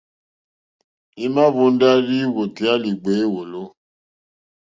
Ima hvonda rzɔ̀ i wòtèyà li gbeya èwòlò.